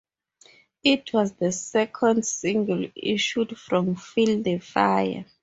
It was the second single issued from "Feel the Fire".